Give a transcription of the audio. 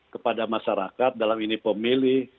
kepada masyarakat dalam ini pemilih